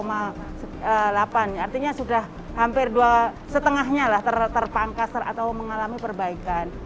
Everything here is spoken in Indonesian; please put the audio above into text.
artinya sudah hampir setengahnya terpangkas atau mengalami perbaikan